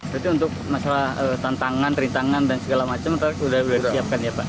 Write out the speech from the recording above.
jadi untuk masalah tantangan rintangan dan segala macam sudah disiapkan ya pak